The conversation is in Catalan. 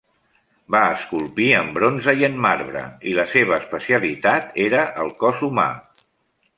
Va esculpir en bronze i en marbre, i la seva especialitat era el cos humà.